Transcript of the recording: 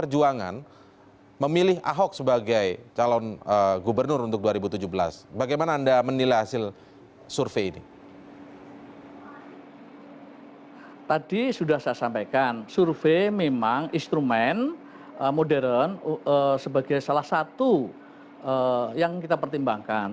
jadi tadi tadi sudah saya sampaikan survei memang instrumen modern sebagai salah satu yang kita pertimbangkan